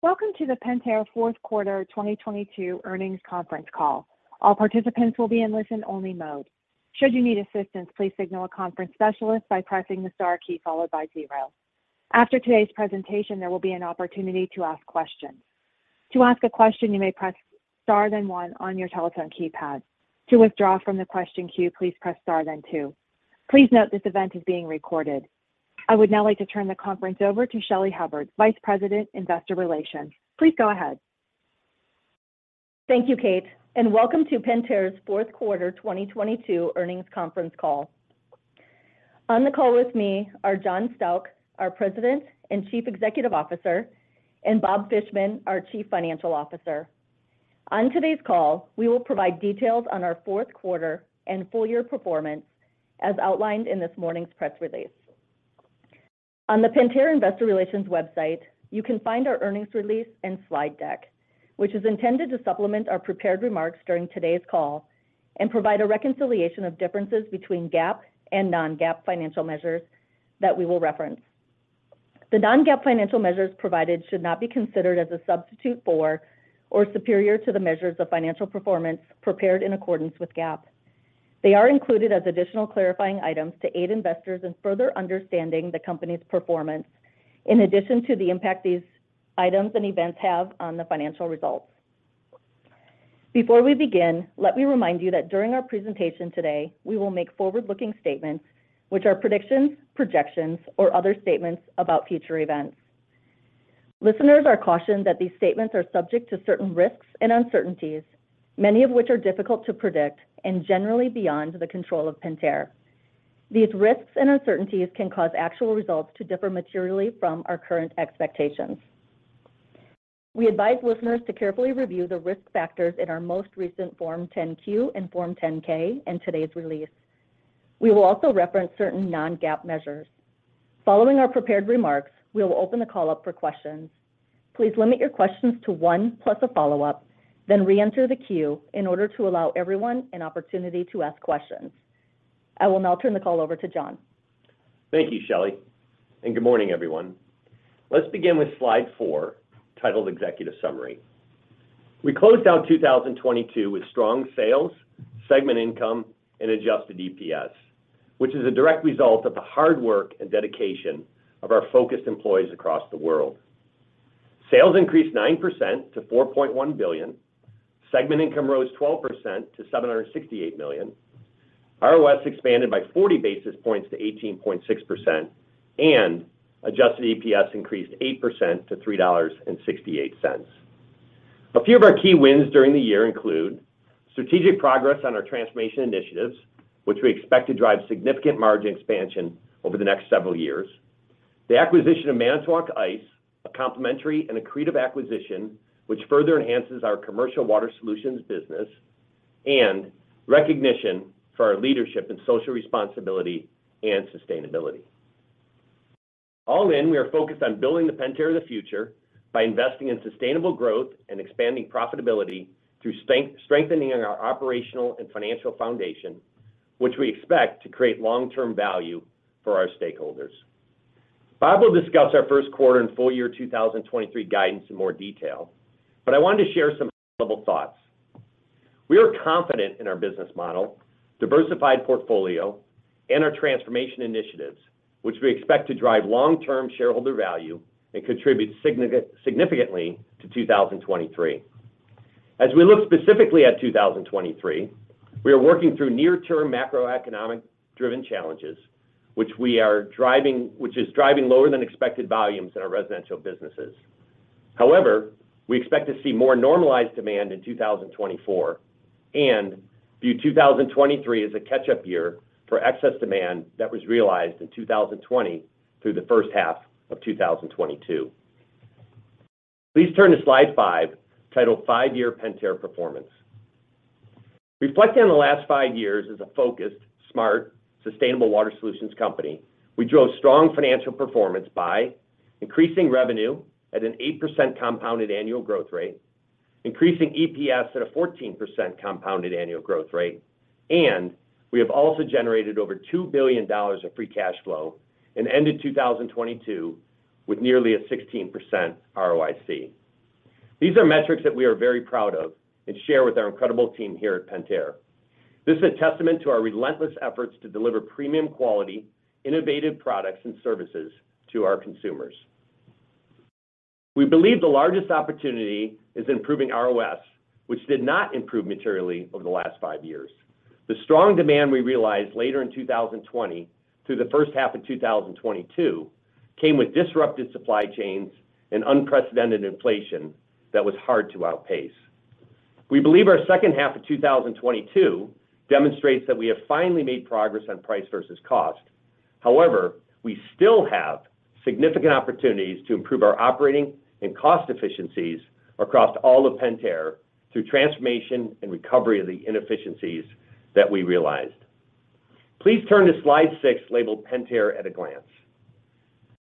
Welcome to the Pentair Fourth Quarter 2022 Earnings Conference Call. All participants will be in listen only mode. Should you need assistance, please signal a conference specialist by pressing the star key followed by 0. After today's presentation, there will be an opportunity to ask questions. To ask a question, you may press star then 1 on your telephone keypad. To withdraw from the question queue, please press star then 2. Please note this event is being recorded. I would now like to turn the conference over to Shelly Hubbard, Vice President, Investor Relations. Please go ahead. Thank you, Kate, welcome to Pentair's fourth quarter 2022 earnings conference call. On the call with me are John Stauch, our President and Chief Executive Officer, and Bob Fishman, our Chief Financial Officer. On today's call, we will provide details on our fourth quarter and full year performance as outlined in this morning's press release. On the Pentair Investor Relations website, you can find our earnings release and slide deck, which is intended to supplement our prepared remarks during today's call and provide a reconciliation of differences between GAAP and non-GAAP financial measures that we will reference. The non-GAAP financial measures provided should not be considered as a substitute for or superior to the measures of financial performance prepared in accordance with GAAP. They are included as additional clarifying items to aid investors in further understanding the company's performance in addition to the impact these items and events have on the financial results. Before we begin, let me remind you that during our presentation today, we will make forward-looking statements, which are predictions, projections, or other statements about future events. Listeners are cautioned that these statements are subject to certain risks and uncertainties, many of which are difficult to predict and generally beyond the control of Pentair. These risks and uncertainties can cause actual results to differ materially from our current expectations. We advise listeners to carefully review the risk factors in our most recent Form 10-Q and Form 10-K in today's release. We will also reference certain non-GAAP measures. Following our prepared remarks, we will open the call up for questions. Please limit your questions to one plus a follow-up, then reenter the queue in order to allow everyone an opportunity to ask questions. I will now turn the call over to John. Thank you, Shelley. Good morning, everyone. Let's begin with slide 4, titled Executive Summary. We closed out 2022 with strong sales, segment income, and adjusted EPS, which is a direct result of the hard work and dedication of our focused employees across the world. Sales increased 9% to $4.1 billion. Segment income rose 12% to $768 million. ROS expanded by 40 basis points to 18.6%, and adjusted EPS increased 8% to $3.68. A few of our key wins during the year include strategic progress on our transformation initiatives, which we expect to drive significant margin expansion over the next several years. The acquisition of Manitowoc Ice, a complementary and accretive acquisition, which further enhances our commercial water solutions business and recognition for our leadership in social responsibility and sustainability. All in, we are focused on building the Pentair of the future by investing in sustainable growth and expanding profitability through strengthening our operational and financial foundation, which we expect to create long-term value for our stakeholders. Bob will discuss our first quarter and full year 2023 guidance in more detail, but I wanted to share some level thoughts. We are confident in our business model, diversified portfolio, and our transformation initiatives, which we expect to drive long-term shareholder value and contribute significantly to 2023. As we look specifically at 2023, we are working through near term macroeconomic driven challenges, which is driving lower than expected volumes in our residential businesses. We expect to see more normalized demand in 2024 and view 2023 as a catch-up year for excess demand that was realized in 2020 through the first half of 2022. Please turn to slide 5, titled Five-Year Pentair Performance. Reflecting on the last 5 years as a focused, smart, sustainable water solutions company, we drove strong financial performance by increasing revenue at an 8% compounded annual growth rate, increasing EPS at a 14% compounded annual growth rate, and we have also generated over $2 billion of free cash flow and ended 2022 with nearly a 16% ROIC. These are metrics that we are very proud of and share with our incredible team here at Pentair. This is a testament to our relentless efforts to deliver premium quality, innovative products and services to our consumers. We believe the largest opportunity is improving ROS, which did not improve materially over the last five years. The strong demand we realized later in 2020 through the first half of 2022 came with disrupted supply chains and unprecedented inflation that was hard to outpace. We believe our second half of 2022 demonstrates that we have finally made progress on price versus cost. We still have significant opportunities to improve our operating and cost efficiencies across all of Pentair through transformation and recovery of the inefficiencies that we realized. Please turn to slide six, labeled Pentair at a Glance.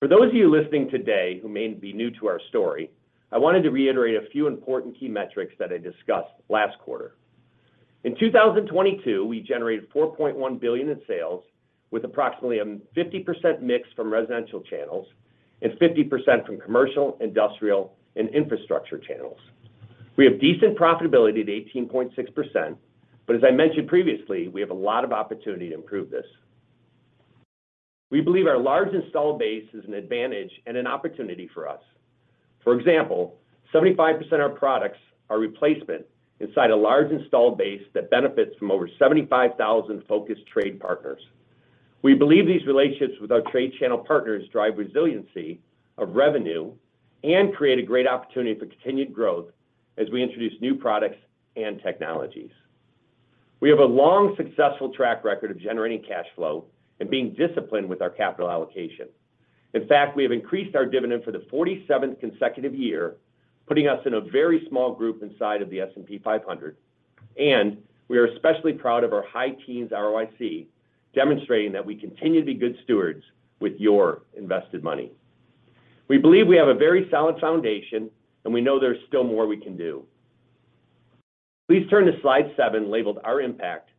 For those of you listening today who may be new to our story, I wanted to reiterate a few important key metrics that I discussed last quarter. In 2022, we generated $4.1 billion in sales with approximately a 50% mix from residential channels and 50% from commercial, industrial, and infrastructure channels. We have decent profitability at 18.6%, but as I mentioned previously, we have a lot of opportunity to improve this. We believe our large installed base is an advantage and an opportunity for us. For example, 75% of our products are replacement inside a large installed base that benefits from over 75,000 focused trade partners. We believe these relationships with our trade channel partners drive resiliency of revenue and create a great opportunity for continued growth as we introduce new products and technologies. We have a long, successful track record of generating cash flow and being disciplined with our capital allocation. In fact, we have increased our dividend for the 47th consecutive year, putting us in a very small group inside of the S&P 500, and we are especially proud of our high teens ROIC, demonstrating that we continue to be good stewards with your invested money. We believe we have a very solid foundation, and we know there's still more we can do. Please turn to slide 7, labeled Our Impact,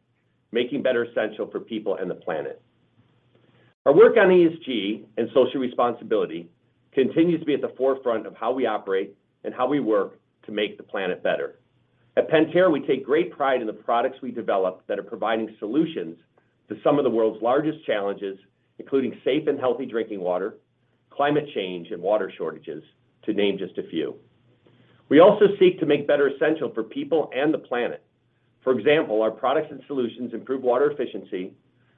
Making Better Essential for People and the Planet. Our work on ESG and social responsibility continues to be at the forefront of how we operate and how we work to make the planet better. At Pentair, we take great pride in the products we develop that are providing solutions to some of the world's largest challenges, including safe and healthy drinking water, climate change, and water shortages, to name just a few. We also seek to make better essential for people and the planet. For example, our products and solutions improve water efficiency,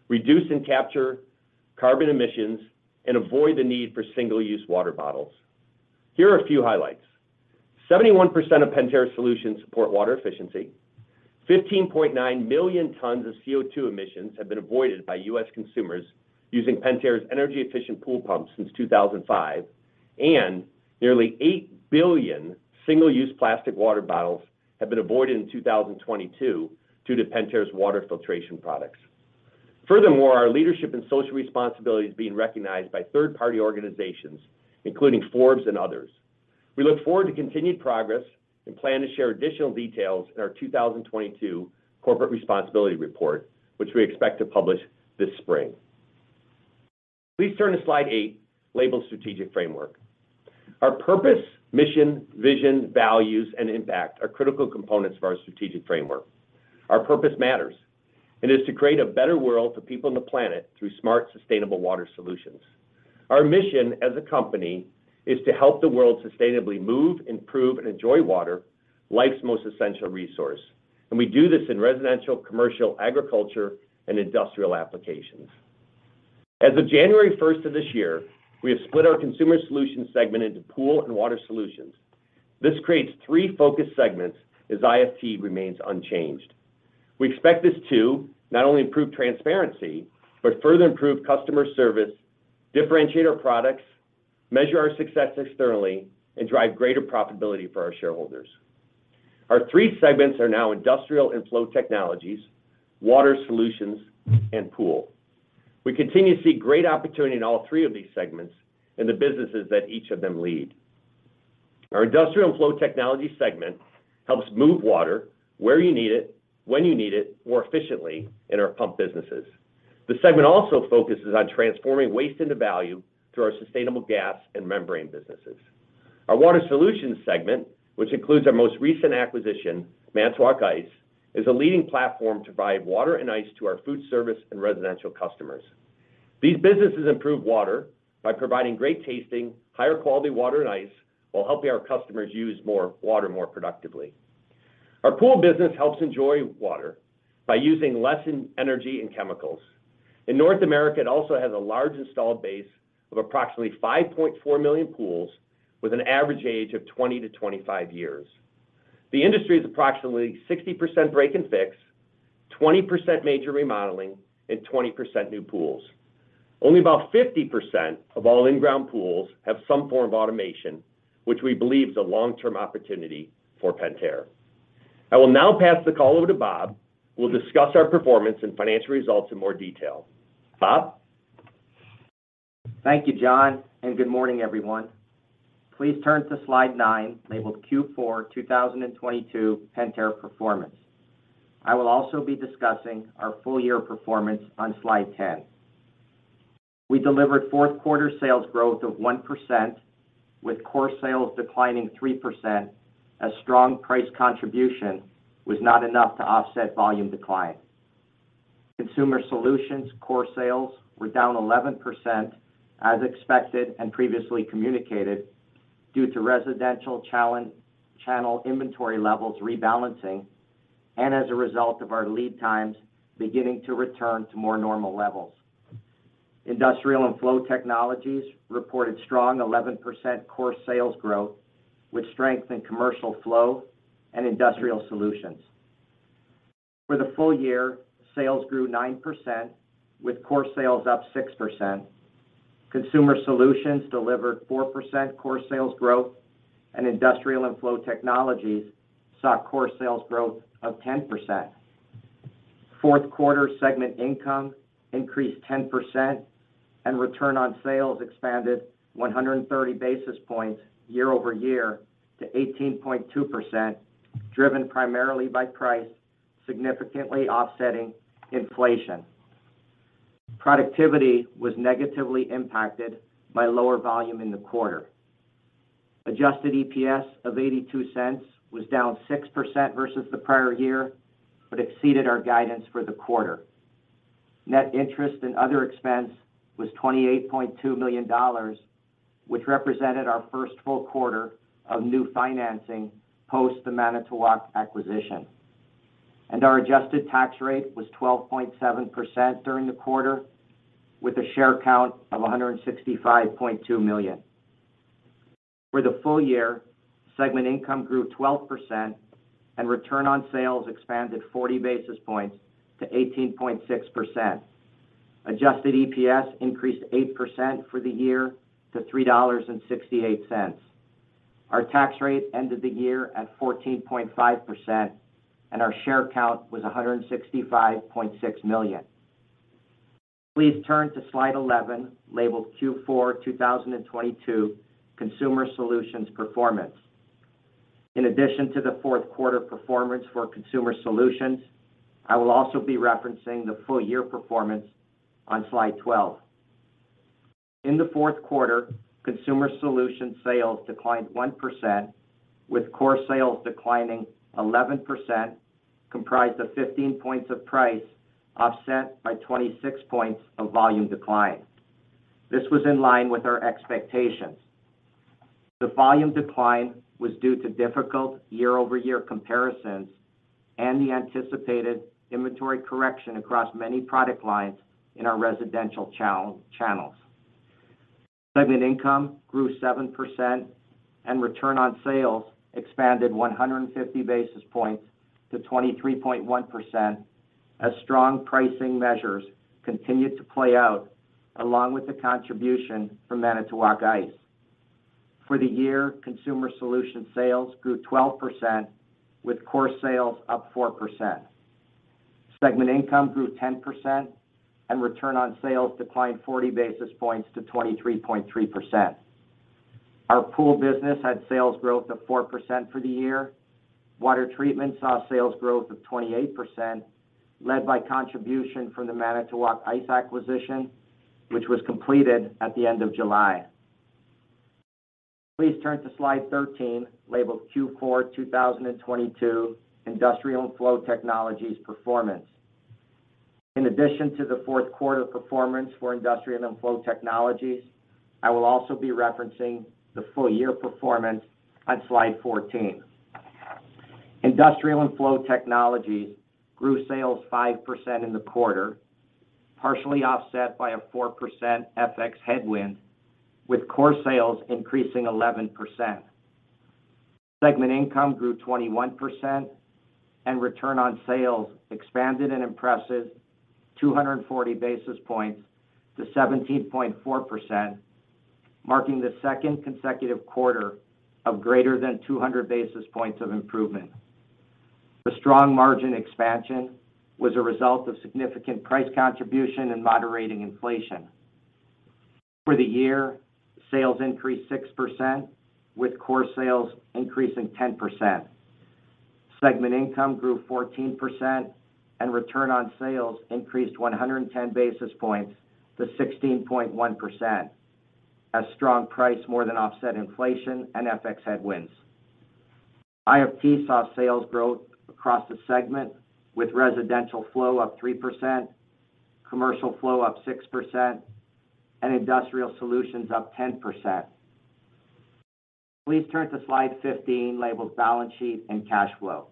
reduce and capture carbon emissions, and avoid the need for single-use water bottles. Here are a few highlights. 71% of Pentair solutions support water efficiency. 15.9 million tons of CO2 emissions have been avoided by US consumers using Pentair's Energy-Efficient pool pumps since 2005, and nearly 8 billion single-use plastic water bottles have been avoided in 2022 due to Pentair's water filtration products. Furthermore, our leadership and social responsibility is being recognized by third-party organizations, including Forbes and others. We look forward to continued progress and plan to share additional details in our 2022 corporate responsibility report, which we expect to publish this spring. Please turn to slide eight, labeled Strategic Framework. Our purpose, mission, vision, values, and impact are critical components of our Strategic Framework. Our purpose matters. It is to create a better world for people on the planet through smart, sustainable water solutions. Our mission as a company is to help the world sustainably move, improve, and enjoy water, life's most essential resource, and we do this in residential, commercial, agriculture, and industrial applications. As of January first of this year, we have split our Consumer Solutions segment into Pool and Water Solutions. This creates three focused segments as IFT remains unchanged. We expect this to not only improve transparency, but further improve customer service, differentiate our products, measure our success externally, and drive greater profitability for our shareholders. Our three segments are now Industrial and Flow Technologies, Water Solutions, and Pool. We continue to see great opportunity in all three of these segments and the businesses that each of them lead. Our Industrial and Flow Technologies segment helps move water where you need it, when you need it, more efficiently in our pump businesses. The segment also focuses on transforming waste into value through our sustainable gas and membrane businesses. Our Water Solutions segment, which includes our most recent acquisition, Manitowoc Ice, is a leading platform to provide water and ice to our food service and residential customers. These businesses improve water by providing great-tasting, higher-quality water and ice while helping our customers use more water more productively. Our Pool business helps enjoy water by using less energy and chemicals. In North America, it also has a large installed base of approximately 5.4 million pools with an average age of 20-25 years. The industry is approximately 60% break and fix, 20% major remodeling, and 20% new pools. Only about 50% of all in-ground pools have some form of automation, which we believe is a long-term opportunity for Pentair. I will now pass the call over to Bob, who will discuss our performance and financial results in more detail. Bob? Thank you, John. Good morning, everyone. Please turn to slide 9, labeled Q42022 Pentair Performance. I will also be discussing our full-year performance on slide 10. We delivered fourth quarter sales growth of 1% with core sales declining 3% as strong price contribution was not enough to offset volume decline. Consumer Solutions core sales were down 11% as expected and previously communicated due to residential channel inventory levels rebalancing and as a result of our lead times beginning to return to more normal levels. Industrial and Flow Technologies reported strong 11% core sales growth with strength in commercial flow and industrial solutions. For the full year, sales grew 9% with core sales up 6%. Consumer Solutions delivered 4% core sales growth, and Industrial and Flow Technologies saw core sales growth of 10%. Fourth quarter segment income increased 10% and return on sales expanded 130 basis points year-over-year to 18.2%, driven primarily by price, significantly offsetting inflation. Productivity was negatively impacted by lower volume in the quarter. Adjusted EPS of $0.82 was down 6% versus the prior year, but exceeded our guidance for the quarter. Net interest and other expense was $28.2 million, which represented our first full quarter of new financing post the Manitowoc acquisition. Our adjusted tax rate was 12.7% during the quarter, with a share count of 165.2 million. For the full year, segment income grew 12% and return on sales expanded 40 basis points to 18.6%. Adjusted EPS increased 8% for the year to $3.68. Our tax rate ended the year at 14.5% and our share count was 165.6 million. Please turn to slide 11, labeled Q4 2022 Consumer Solutions Performance. In addition to the fourth quarter performance for Consumer Solutions, I will also be referencing the full year performance on slide 12. In the fourth quarter, Consumer Solutions sales declined 1%, with core sales declining 11%, comprised of 15 points of price, offset by 26 points of volume decline. This was in line with our expectations. The volume decline was due to difficult year-over-year comparisons and the anticipated inventory correction across many product lines in our residential channels. Segment income grew 7% and return on sales expanded 150 basis points to 23.1%, as strong pricing measures continued to play out along with the contribution from Manitowoc Ice. For the year, Consumer Solutions sales grew 12%, with core sales up 4%. Segment income grew 10% and return on sales declined 40 basis points to 23.3%. Our Pool business had sales growth of 4% for the year. Water treatment saw sales growth of 28%, led by contribution from the Manitowoc Ice acquisition, which was completed at the end of July. Please turn to slide 13, labeled Q4 2022 Industrial and Flow Technologies Performance. In addition to the fourth quarter performance for Industrial and Flow Technologies, I will also be referencing the full year performance on slide 14. Industrial and Flow Technologies grew sales 5% in the quarter, partially offset by a 4% FX headwind, with core sales increasing 11%. Segment income grew 21% and return on sales expanded an impressive 240 basis points to 17.4%, marking the second consecutive quarter of greater than 200 basis points of improvement. The strong margin expansion was a result of significant price contribution and moderating inflation. For the year, sales increased 6%, with core sales increasing 10%. Segment income grew 14% and return on sales increased 110 basis points to 16.1%. Strong price more than offset inflation and FX headwinds. IFT saw sales growth across the segment with residential flow up 3%, commercial flow up 6%, and industrial solutions up 10%. Please turn to slide 15, labeled Balance Sheet and Cash Flow.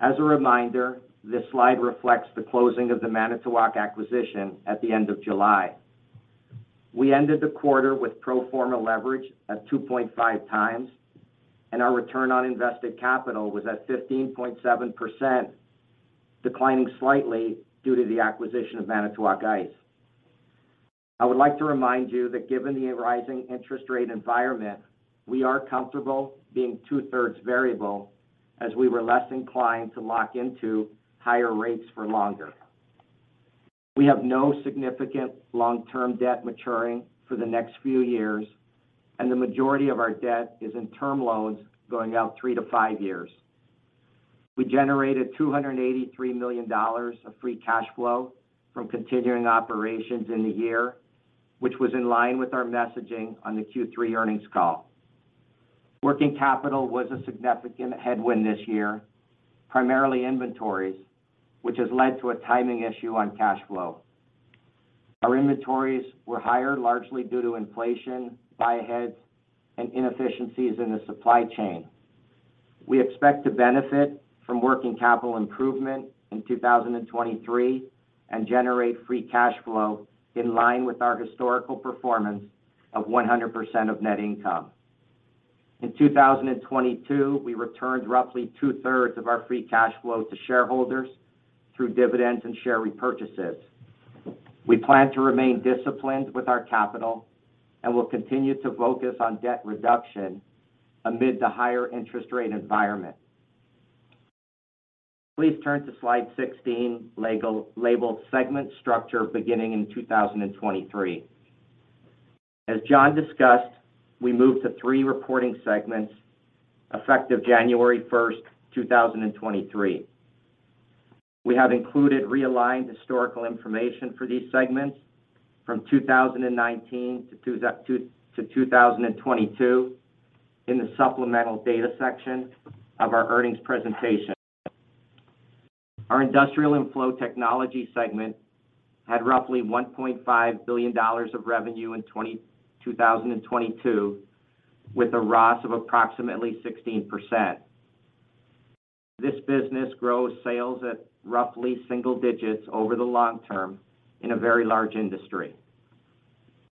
As a reminder, this slide reflects the closing of the Manitowoc acquisition at the end of July. We ended the quarter with pro forma leverage at 2.5 times, and our return on invested capital was at 15.7%, declining slightly due to the acquisition of Manitowoc Ice. I would like to remind you that given the rising interest rate environment, we are comfortable being two-thirds variable as we were less inclined to lock into higher rates for longer. We have no significant long-term debt maturing for the next few years, and the majority of our debt is in term loans going out 3 to 5 years. We generated $283 million of free cash flow from continuing operations in the year, which was in line with our messaging on the Q3 earnings call. Working capital was a significant headwind this year, primarily inventories, which has led to a timing issue on cash flow. Our inventories were higher, largely due to inflation, buy-aheads, and inefficiencies in the supply chain. We expect to benefit from working capital improvement in 2023 and generate free cash flow in line with our historical performance of 100% of net income. In 2022, we returned roughly two-thirds of our free cash flow to shareholders through dividends and share repurchases. We plan to remain disciplined with our capital and will continue to focus on debt reduction amid the higher interest rate environment. Please turn to slide 16, labeled Segment Structure Beginning in 2023. As John discussed, we moved to three reporting segments effective January 1st, 2023. We have included realigned historical information for these segments from 2019 to 2022 in the supplemental data section of our earnings presentation. Our Industrial and Flow Technologies segment had roughly $1.5 billion of revenue in 2022, with a ROS of approximately 16%. This business grows sales at roughly single digits over the long term in a very large industry.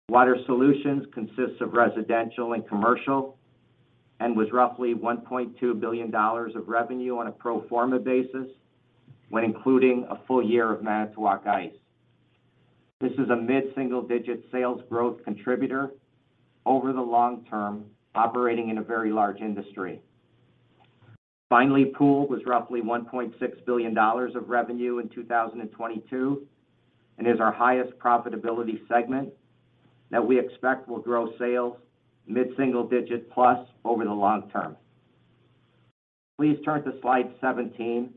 Water Solutions consists of residential and commercial, and was roughly $1.2 billion of revenue on a pro forma basis when including a full year of Manitowoc Ice. This is a mid-single-digit sales growth contributor over the long term, operating in a very large industry. Pool was roughly $1.6 billion of revenue in 2022, and is our highest profitability segment that we expect will grow sales mid-single digit+ over the long term. Please turn to slide 17,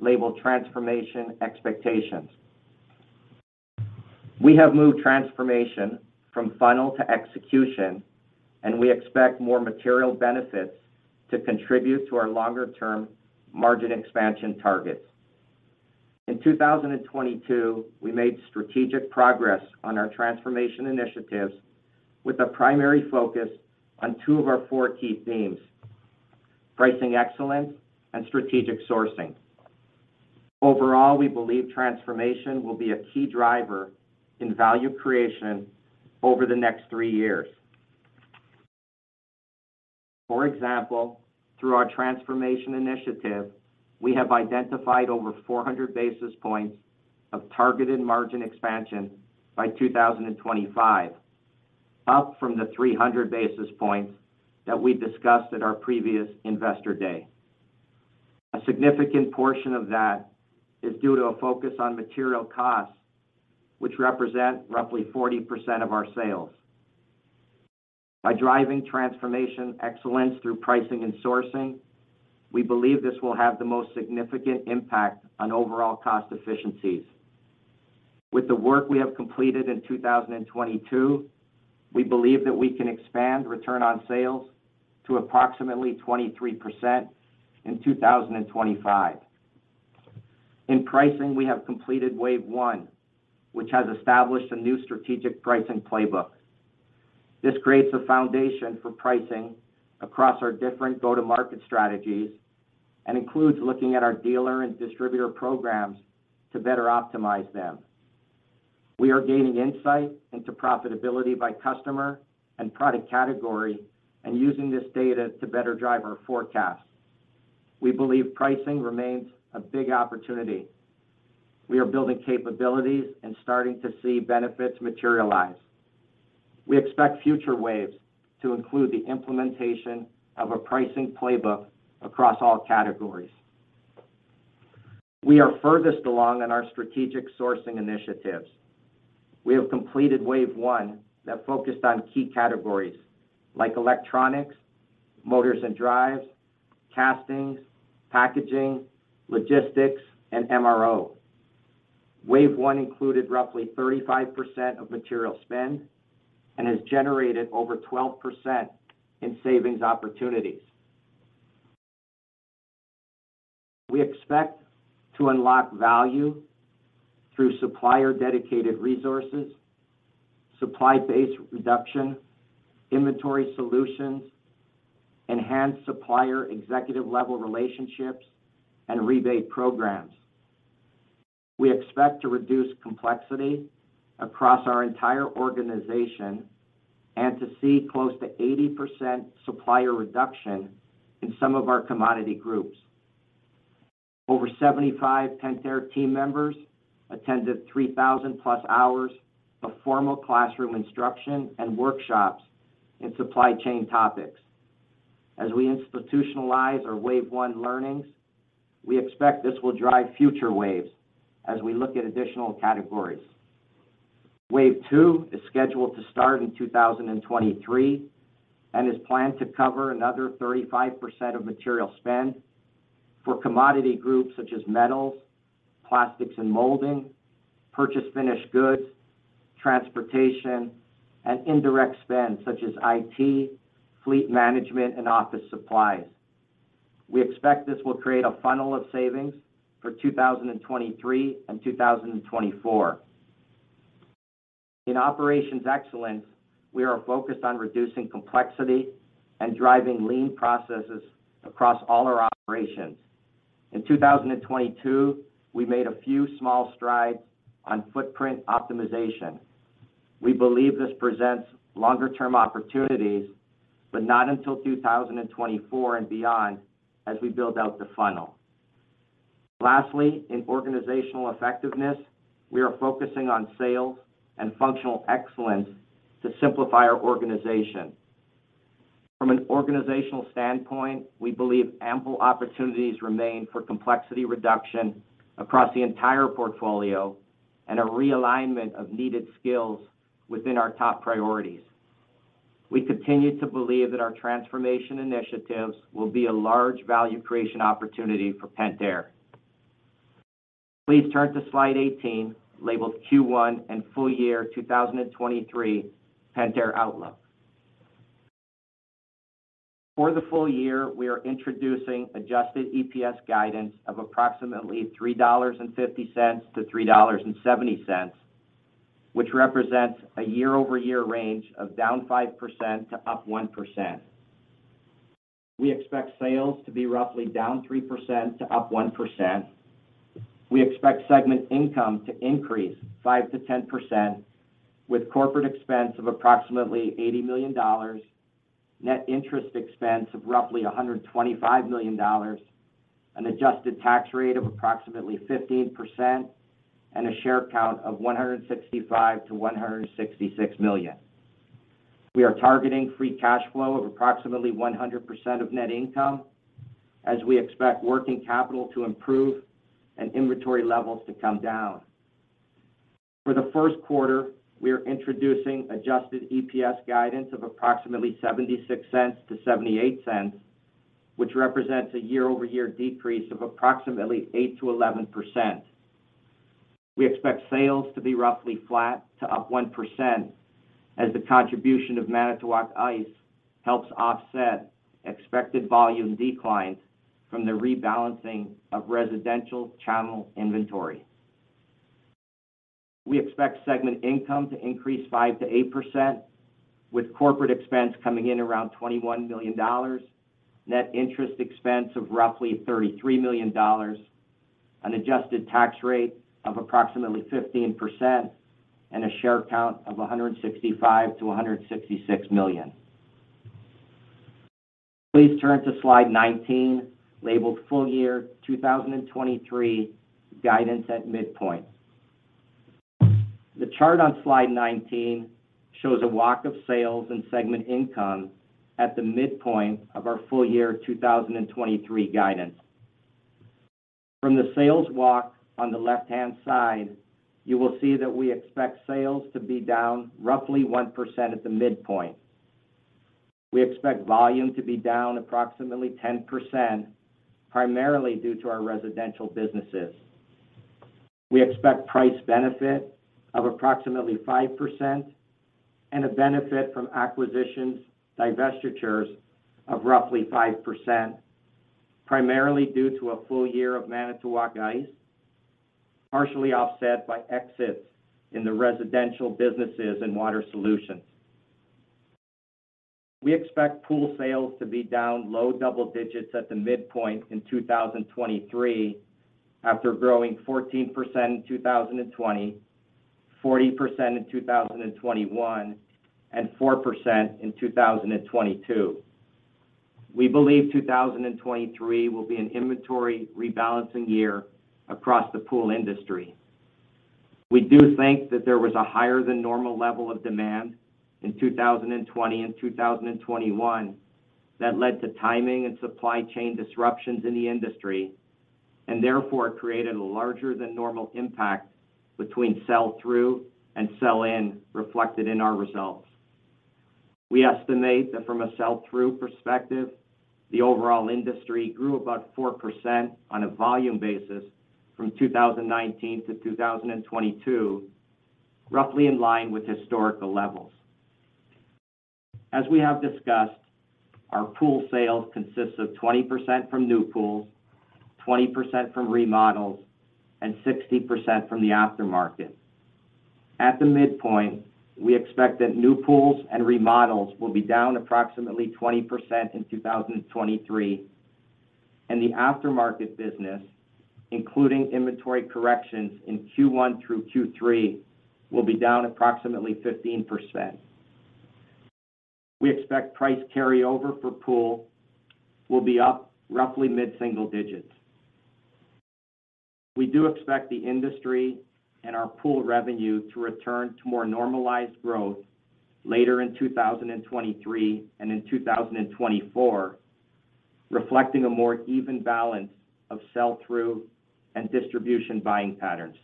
labeled Transformation Expectations. We have moved transformation from funnel to execution. We expect more material benefits to contribute to our longer-term margin expansion targets. In 2022, we made strategic progress on our transformation initiatives with a primary focus on two of our four key themes: pricing excellence and strategic sourcing. We believe transformation will be a key driver in value creation over the next three years. Through our transformation initiative, we have identified over 400 basis points of targeted margin expansion by 2025, up from the 300 basis points that we discussed at our previous Investor Day. A significant portion of that is due to a focus on material costs, which represent roughly 40% of our sales. By driving transformation excellence through pricing and sourcing, we believe this will have the most significant impact on overall cost efficiencies. With the work we have completed in 2022, we believe that we can expand return on sales to approximately 23% in 2025. In pricing, we have completed Wave 1, which has established a new strategic pricing playbook. This creates a foundation for pricing across our different go-to-market strategies and includes looking at our dealer and distributor programs to better optimize them. We are gaining insight into profitability by customer and product category and using this data to better drive our forecasts. We believe pricing remains a big opportunity. We are building capabilities and starting to see benefits materialize. We expect future waves to include the implementation of a pricing playbook across all categories. We are furthest along in our strategic sourcing initiatives. We have completed wave one that focused on key categories like electronics, motors and drives, castings, packaging, logistics, and MRO. Wave one included roughly 35% of material spend and has generated over 12% in savings opportunities. We expect to unlock value through supplier-dedicated resources, supply base reduction, inventory solutions, enhanced supplier executive-level relationships, and rebate programs. We expect to reduce complexity across our entire organization and to see close to 80% supplier reduction in some of our commodity groups. Over 75 Pentair team members attended 3,000 plus hours of formal classroom instruction and workshops in supply chain topics. As we institutionalize our wave one learnings, we expect this will drive future waves as we look at additional categories. Wave two is scheduled to start in 2023 and is planned to cover another 35% of material spend for commodity groups such as metals, plastics and molding, purchased finished goods, transportation, and indirect spend such as IT, fleet management, and office supplies. We expect this will create a funnel of savings for 2023 and 2024. In operations excellence, we are focused on reducing complexity and driving lean processes across all our operations. In 2022, we made a few small strides on footprint optimization. We believe this presents longer-term opportunities, but not until 2024 and beyond as we build out the funnel. In organizational effectiveness, we are focusing on sales and functional excellence to simplify our organization. From an organizational standpoint, we believe ample opportunities remain for complexity reduction across the entire portfolio and a realignment of needed skills within our top priorities. We continue to believe that our transformation initiatives will be a large value creation opportunity for Pentair. Please turn to Slide 18, labeled Q1 and full year 2023 Pentair Outlook. For the full year, we are Adjusted EPS guidance of approximately $3.50 to $3.70, which represents a year-over-year range of down 5% to up 1%. We expect sales to be roughly down 3% to up 1%. We expect segment income to increase 5%-10% with corporate expense of approximately $80 million, Net Interest Expense of roughly $125 million, an Adjusted Tax Rate of approximately 15%, and a share count of 165 million-166 million. We are targeting Free Cash Flow of approximately 100% of Net Income as we expect working capital to improve and inventory levels to come down. For the first quarter, we are Adjusted EPS guidance of approximately $0.76-$0.78, which represents a year-over-year decrease of approximately 8%-11%. We expect sales to be roughly flat to up 1% as the contribution of Manitowoc Ice helps offset expected volume declines from the rebalancing of Residential Channel Inventory. We expect segment income to increase 5%-8% with Corporate Expense coming in around $21 million, Net Interest Expense of roughly $33 million, an Adjusted Tax Rate of approximately 15%, and a share count of 165 million-166 million. Please turn to Slide 19, labeled Full Year 2023 Guidance at Midpoint. The chart on Slide 19 shows a walk of Sales and Segment Income at the midpoint of our full year 2023 Guidance. From the sales walk on the left-hand side, you will see that we expect sales to be down roughly 1% at the midpoint. We expect volume to be down approximately 10%, primarily due to our Residential Businesses. We expect price benefit of approximately 5% and a benefit from acquisitions/divestitures of roughly 5%, primarily due to a full year of Manitowoc Ice, partially offset by exits in the Residential Businesses and Water Solutions. We expect Pool Sales to be down low double digits at the midpoint in 2023 after growing 14% in 2020, 40% in 2021, and 4% in 2022. We believe 2023 will be an inventory rebalancing year across the Pool Industry. We do think that there was a higher than normal level of demand in 2020 and 2021 that led to timing and supply chain disruptions in the industry, therefore created a larger than normal impact between sell-through and sell-in reflected in our results. We estimate that from a sell-through perspective, the overall industry grew about 4% on a volume basis from 2019 to 2022, roughly in line with historical levels. As we have discussed, our Pool Sales consists of 20% from new Pools, 20% from remodels, and 60% from the aftermarket. At the midpoint, we expect that new Pools and Remodels will be down approximately 20% in 2023, and the aftermarket business, including inventory corrections in Q1 through Q3, will be down approximately 15%. We expect price carryover for Pool will be up roughly mid-single digits. We do expect the industry and our Pool revenue to return to more normalized growth later in 2023 and in 2024, reflecting a more even balance of sell-through and distribution buying patterns.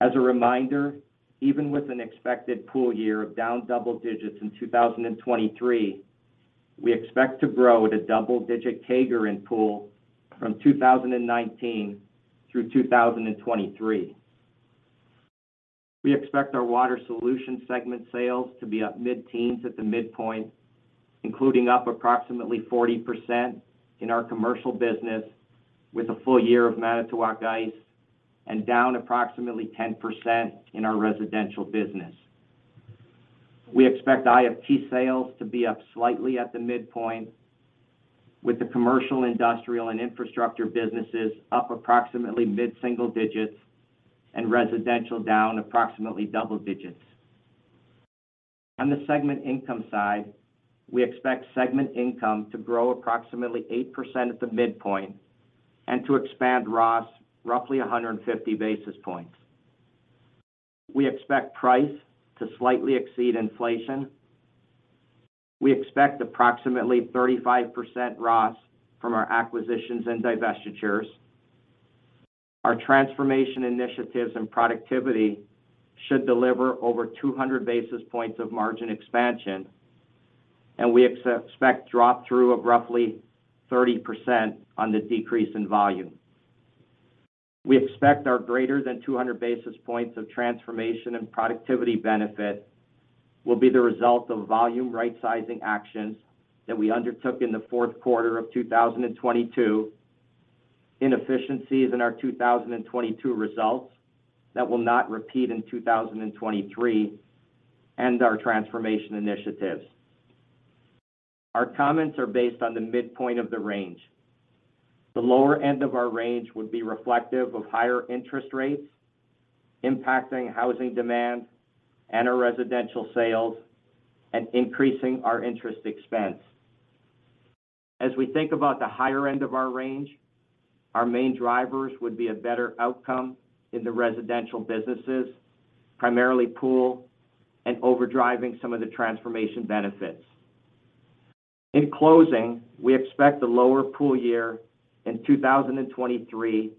As a reminder, even with an expected Pool year of down double digits in 2023, we expect to grow at a double-digit CAGR in Pool from 2019 through 2023. We expect our Water Solutions Segment Sales to be up mid-teens at the midpoint, including up approximately 40% in our Commercial business with a full year of Manitowoc Ice and down approximately 10% in our Residential business. We expect IFT sales to be up slightly at the midpoint with the Commercial, Industrial, and Infrastructure Businesses up approximately mid-single digits and residential down approximately double digits. On the segment income side, we expect segment income to grow approximately 8% at the midpoint and to expand ROS roughly 150 basis points. We expect price to slightly exceed inflation. We expect approximately 35% ROS from our acquisitions and divestitures. Our transformation initiatives and productivity should deliver over 200 basis points of margin expansion, and we expect drop-through of roughly 30% on the decrease in volume. We expect our greater than 200 basis points of transformation and productivity benefit will be the result of volume rightsizing actions that we undertook in the fourth quarter of 2022, inefficiencies in our 2022 results that will not repeat in 2023, and our transformation initiatives. Our comments are based on the midpoint of the range. The lower end of our range would be reflective of higher interest rates impacting housing demand and our residential sales and increasing our interest expense. As we think about the higher end of our range, our main drivers would be a better outcome in the Residential Businesses, primarily Pool, and overdriving some of the transformation benefits. In closing, we expect the lower Pool year in 2023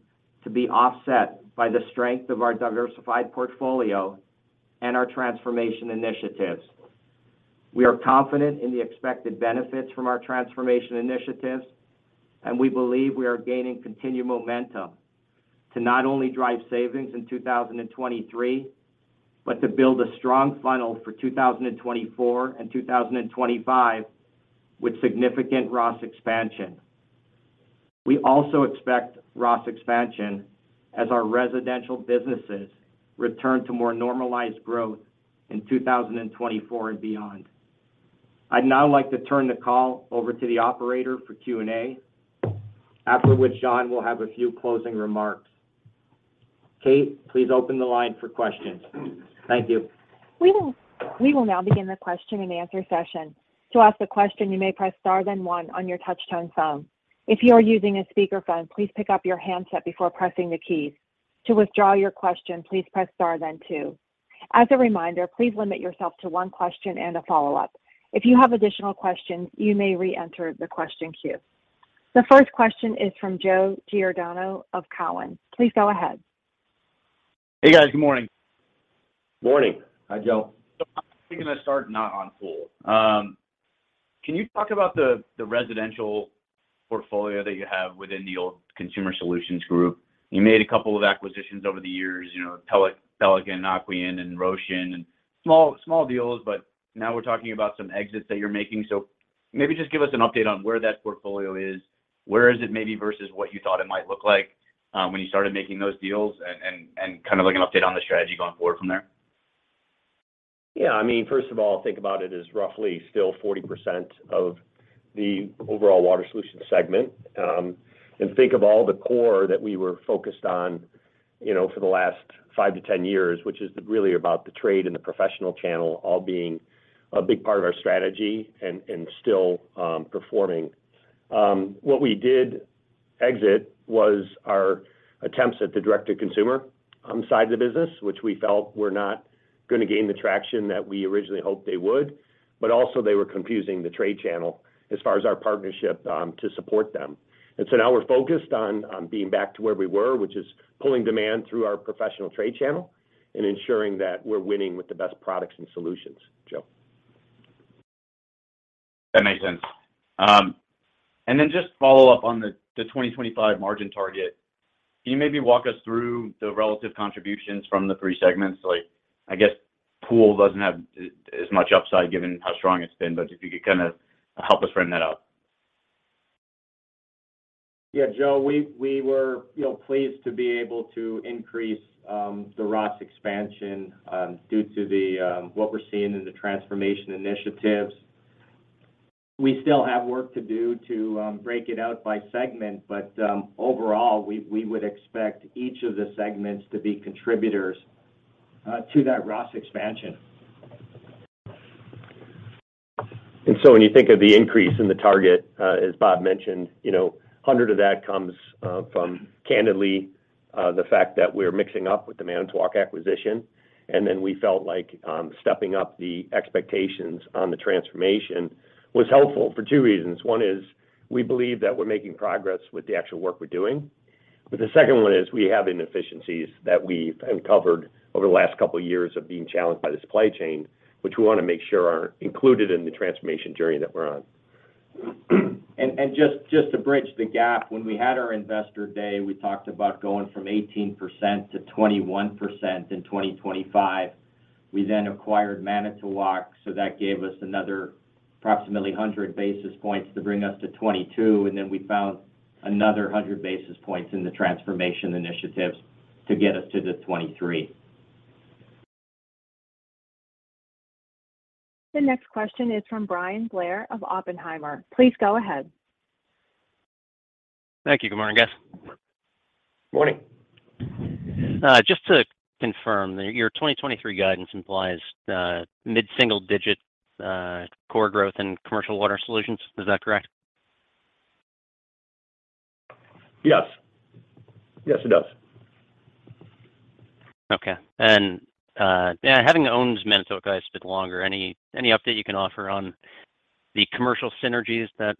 to be offset by the strength of our diversified portfolio and our transformation initiatives. We are confident in the expected benefits from our transformation initiatives, we believe we are gaining continued momentum to not only drive savings in 2023, but to build a strong funnel for 2024 and 2025 with significant ROS expansion. We also expect ROS expansion as our Residential Businesses return to more normalized growth in 2024 and beyond. I'd now like to turn the call over to the operator for Q&A, after which John will have a few closing remarks. Kate, please open the line for questions. Thank you. We will now begin the question-and-answer session. To ask a question, you may press star then one on your touch-tone phone. If you are using a speakerphone, please pick up your handset before pressing the keys. To withdraw your question, please press star then two. As a reminder, please limit yourself to one question and a follow-up. If you have additional questions, you may re-enter the question queue. The first question is from Joe Giordano of Cowen. Please go ahead. Hey, guys. Good morning. Morning. Hi, Joe. I'm gonna start not on Pool. Can you talk about the Residential Portfolio that you have within the old Consumer Solutions group? You made a couple of acquisitions over the years, you know, Pelican, Aquion, and Rocean, and small deals, but now we're talking about some exits that you're making. Maybe just give us an update on where that portfolio is. Where is it maybe versus what you thought it might look like when you started making those deals, and kind of like an update on the strategy going forward from there. Yeah. I mean, first of all, think about it as roughly still 40% of the overall Water Solutions Segment. Think of all the core that we were focused on, you know, for the last five to 10 years, which is really about the Trade and the Professional Channel all being a big part of our strategy and still performing. What we did exit was our attempts at the direct-to-consumer side of the business, which we felt were not gonna gain the traction that we originally hoped they would, but also they were confusing the Trade Channel as far as our partnership to support them. Now we're focused on being back to where we were, which is pulling demand through our Professional Trade Channel and ensuring that we're winning with the best products and solutions, Joe. That makes sense. Just follow up on the 2025 margin target. Can you maybe walk us through the relative contributions from the three segments? Like, I guess Pool doesn't have as much upside given how strong it's been, but if you could kinda help us run that out. Yeah, Joe. We were, you know, pleased to be able to increase the ROS expansion due to what we're seeing in the transformation initiatives. We still have work to do to break it out by segment, but overall, we would expect each of the segments to be contributors to that ROS expansion. When you think of the increase in the target, as Bob mentioned, you know, 100 of that comes from candidly, the fact that we're mixing up with the Manitowoc acquisition. We felt like stepping up the expectations on the transformation was helpful for two reasons. One is we believe that we're making progress with the actual work we're doing, but the second one is we have inefficiencies that we've uncovered over the last couple of years of being challenged by the supply chain, which we wanna make sure are included in the transformation journey that we're on. Just to bridge the gap, when we had our investor day, we talked about going from 18% to 21% in 2025. We acquired Manitowoc, so that gave us another approximately 100 basis points to bring us to 22, and then we found another 100 basis points in the transformation initiatives to get us to the 23. The next question is from Bryan Blair of Oppenheimer. Please go ahead. Thank you. Good morning, guys. Morning. Just to confirm, your 2023 guidance implies mid-single digit core growth in Commercial Water Solutions. Is that correct? Yes. Yes, it does. Okay. Yeah, having owned Manitowoc, I spent longer. Any update you can offer on the commercial synergies that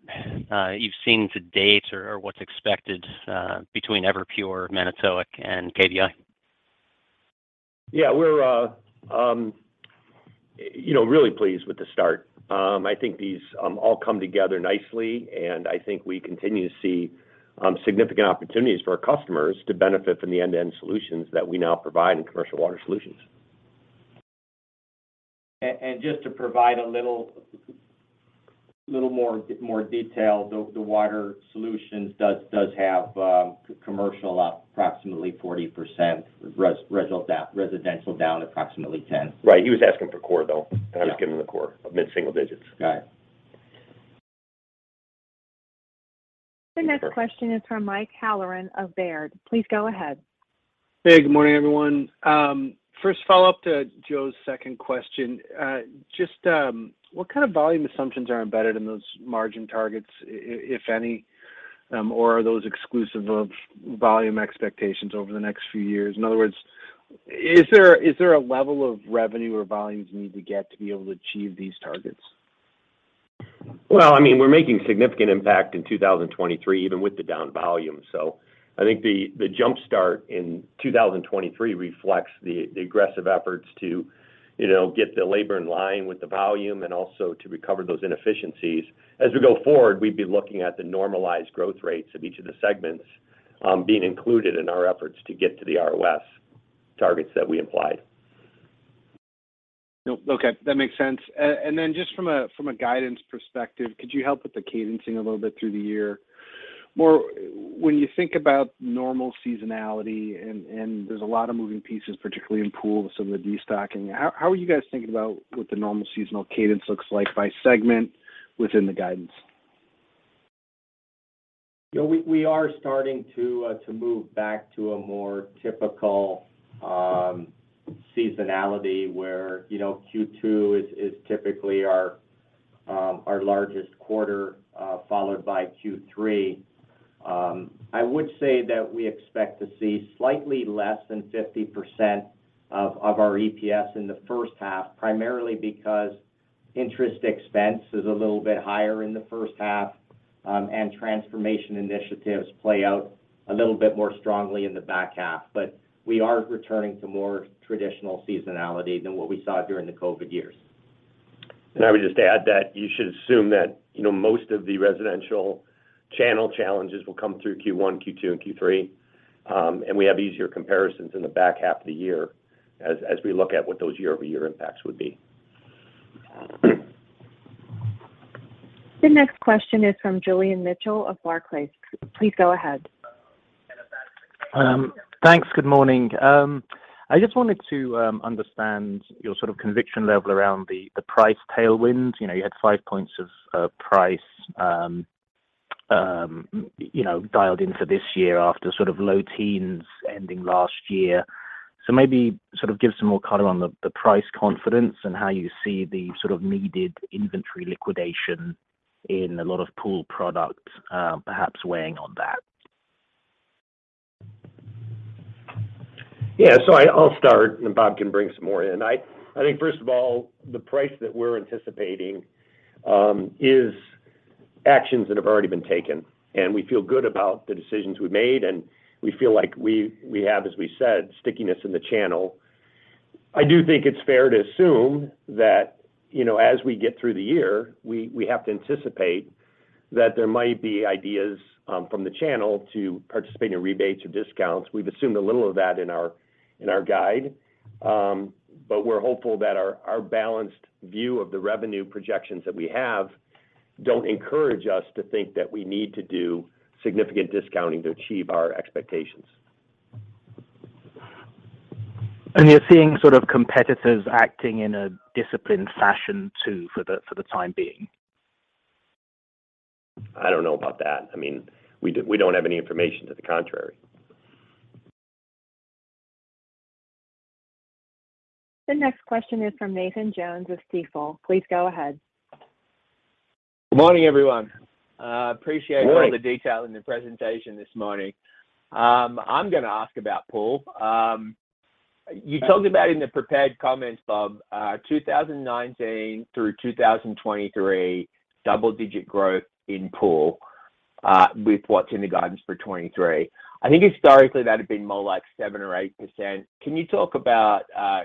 you've seen to date or what's expected between Everpure, Manitowoc, and KBI? Yeah, we're, you know, really pleased with the start. I think these all come together nicely, and I think we continue to see significant opportunities for our customers to benefit from the end-to-end solutions that we now provide in commercial Water Solutions. Just to provide a little more detail. The Water Solutions does have commercial up approximately 40%, residential down approximately 10%. Right. He was asking for core, though. Yeah. I was giving him the core of mid-single digits. Got it. The next question is from Mike Halloran of Baird. Please go ahead. Hey, good morning, everyone. First follow-up to Joe's second question. Just what kind of volume assumptions are embedded in those margin targets, if any, or are those exclusive of volume expectations over the next few years? In other words, is there a level of revenue or volumes you need to get to be able to achieve these targets? Well, I mean, we're making significant impact in 2023, even with the down volume. I think the jump start in 2023 reflects the aggressive efforts to, you know, get the labor in line with the volume and also to recover those inefficiencies. As we go forward, we'd be looking at the normalized growth rates of each of the segments, being included in our efforts to get to the ROS targets that we implied. Okay, that makes sense. Just from a, from a guidance perspective, could you help with the cadencing a little bit through the year? When you think about normal seasonality and there's a lot of moving pieces, particularly in Pool with some of the destocking, how are you guys thinking about what the normal seasonal cadence looks like by segment within the guidance? You know, we are starting to move back to a more typical seasonality where, you know, Q2 is typically our largest quarter followed by Q3. I would say that we expect to see slightly less than 50% of our EPS in the H1, primarily because interest expense is a little bit higher in the H1, and transformation initiatives play out a little bit more strongly in the back half. We are returning to more traditional seasonality than what we saw during the COVID years. I would just add that you should assume that, you know, most of the Residential Channel challenges will come through Q1, Q2, and Q3. We have easier comparisons in the back half of the year as we look at what those year-over-year impacts would be. The next question is from Julian Mitchell of Barclays. Please go ahead. Thanks. Good morning. I just wanted to understand your sort of conviction level around the price tailwind. You know, you had five points of price, you know, dialed in for this year after sort of low teens ending last year. Maybe sort of give some more color on the price confidence and how you see the sort of needed inventory liquidation in a lot of Pool products, perhaps weighing on that. Yeah. I'll start, and Bob can bring some more in. I think, first of all, the price that we're anticipating, is actions that have already been taken, and we feel good about the decisions we made, and we feel like we have, as we said, stickiness in the channel. I do think it's fair to assume that, you know, as we get through the year, we have to anticipate that there might be ideas, from the channel to participate in rebates or discounts. We've assumed a little of that in our, in our guide. We're hopeful that our balanced view of the revenue projections that we have don't encourage us to think that we need to do significant discounting to achieve our expectations. You're seeing sort of competitors acting in a disciplined fashion too, for the, for the time being? I don't know about that. I mean, we don't have any information to the contrary. The next question is from Nathan Jones of Stifel. Please go ahead. Good morning, everyone. Morning. Appreciate all the detail in the presentation this morning. I'm gonna ask about Pool. You talked about in the prepared comments, Bob, 2019 through 2023, double-digit growth in Pool, with what's in the guidance for 2023. I think historically that had been more like 7% or 8%. Can you talk about,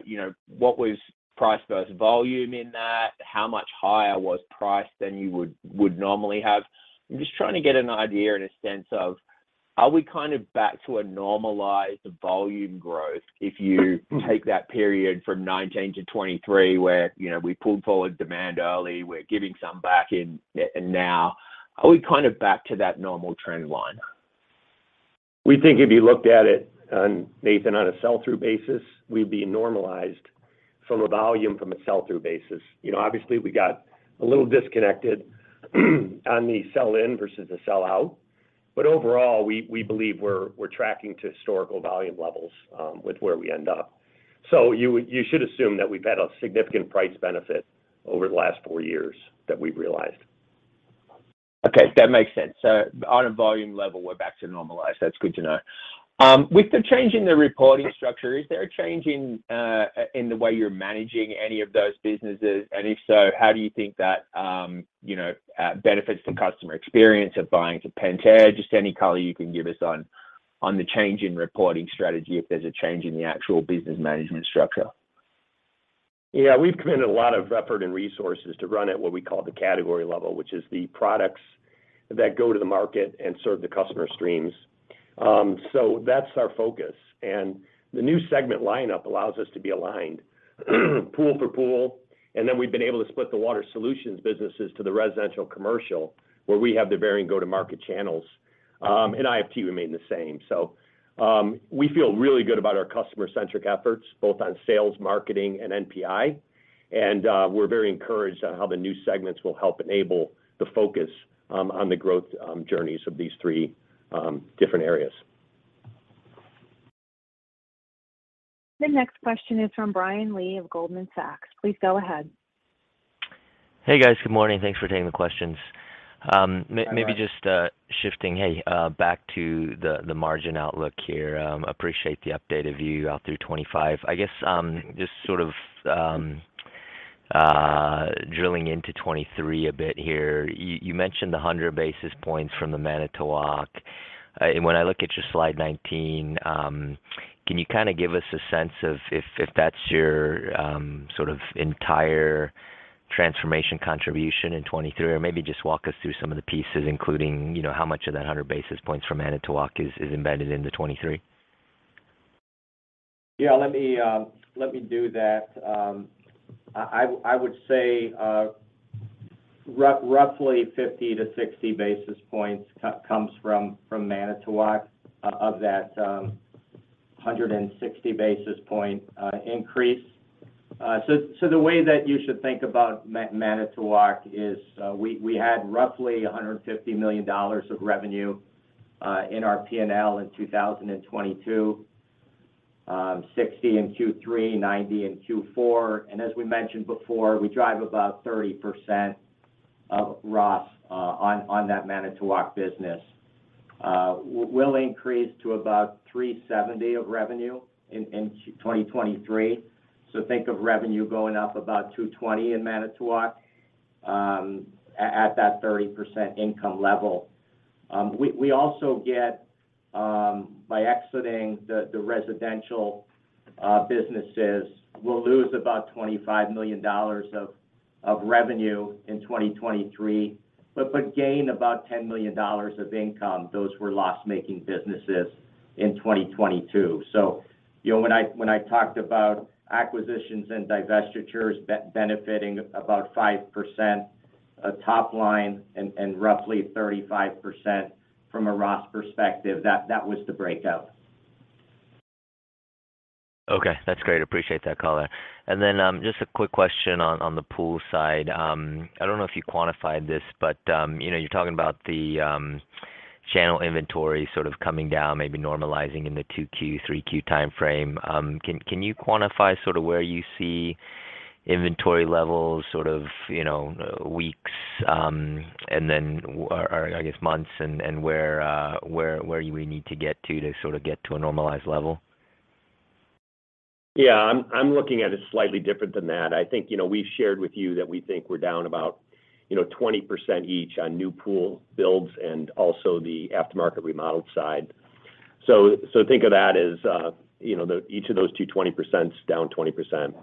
you know, what was price versus volume in that? How much higher was price than you would normally have? I'm just trying to get an idea and a sense of, are we kind of back to a normalized volume growth if you take that period from 2019-2023 where, you know, we pulled forward demand early, we're giving some back in, now. Are we kind of back to that normal trend line? We think if you looked at it on, Nathan, on a sell-through basis, we'd be normalized from a volume from a sell-through basis. You know, obviously, we got a little disconnected on the sell-in versus the sell out. Overall, we believe we're tracking to historical volume levels with where we end up. You should assume that we've had a significant price benefit over the last four years that we've realized. Okay. That makes sense. On a volume level, we're back to normalized. That's good to know. With the change in the reporting structure, is there a change in the way you're managing any of those businesses? If so, how do you think that, you know, benefits the customer experience of buying from Pentair? Just any color you can give us on the change in reporting strategy, if there's a change in the actual business management structure. Yeah. We've committed a lot of effort and resources to run at what we call the category level, which is the products that go to the market and serve the customer streams. That's our focus. The new segment lineup allows us to be aligned Pool per Pool. Then we've been able to split the Water Solutions Businesses to the Residential Commercial, where we have the varying go-to-market channels. IFT remained the same. We feel really good about our Customer-Centric Efforts, both on Sales, Marketing, and NPI. We're very encouraged on how the new segments will help enable the focus on the growth journeys of these three different areas. The next question is from Brian Lee of Goldman Sachs. Please go ahead. Hey, guys. Good morning. Thanks for taking the questions. Hi, Brian. Maybe just shifting back to the margin outlook here. Appreciate the updated view out through 2025. I guess just sort of drilling into 2023 a bit here. You mentioned the 100 basis points from the Manitowoc. When I look at your Slide 19, can you kinda give us a sense of if that's your sort of entire transformation contribution in 2023? Or maybe just walk us through some of the pieces, including, you know, how much of that 100 basis points from Manitowoc is embedded into 2023. Yeah. Let me, let me do that. I would say roughly 50-60 basis points comes from Manitowoc of that 160 basis point increase. The way that you should think about Manitowoc is we had roughly $150 million of revenue in our P&L in 2022. $60 million in Q3, $90 million in Q4. As we mentioned before, we drive about 30% of ROS on that Manitowoc Business. We'll increase to about $370 million of revenue in 2023. Think of revenue going up about $220 million in Manitowoc at that 30% income level. We also get, by exiting the Residential Businesses, we'll lose about $25 million of revenue in 2023, but gain about $10 million of income. Those were loss-making businesses in 2022. You know, when I talked about acquisitions and divestitures benefiting about 5% top line and roughly 35% from a ROS perspective, that was the breakout. Okay, that's great. Appreciate that color. Just a quick question on the Pool side. I don't know if you quantified this, but, you know, you're talking about the Channel Inventory sort of coming down, maybe normalizing in the 2Q, 3Q timeframe. Can you quantify sort of where you see inventory levels, sort of, you know, weeks, and then or I guess months and, where you would need to get to sort of get to a normalized level? Yeah. I'm looking at it slightly different than that. I think, you know, we've shared with you that we think we're down about, you know, 20% each on new pool builds and also the aftermarket remodeled side. Think of that as, you know, each of those two 20%s down 20%.